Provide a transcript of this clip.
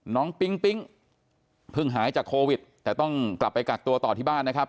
ปิ๊งปิ๊งเพิ่งหายจากโควิดแต่ต้องกลับไปกักตัวต่อที่บ้านนะครับ